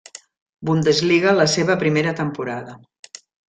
Bundesliga la seva primera temporada.